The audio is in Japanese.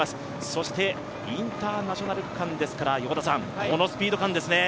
そしてインターナショナル区間ですから、このスピード感ですね。